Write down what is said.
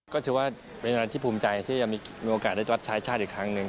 ก็ถือว่าเป็นอะไรที่ภูมิใจที่จะมีโอกาสได้รับชายชาติอีกครั้งหนึ่ง